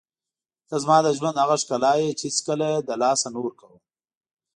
ته زما د ژوند هغه ښکلا یې چې هېڅکله یې له لاسه نه ورکوم.